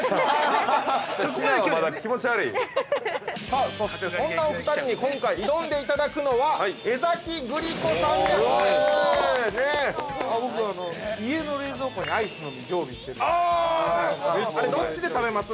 ◆さあ、そして、そんなお二人に今回、挑んでいただくのは江崎グリコさんです！